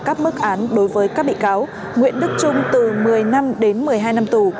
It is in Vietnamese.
các mức án đối với các bị cáo nguyễn đức trung từ một mươi năm đến một mươi hai năm tù